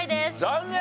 残念！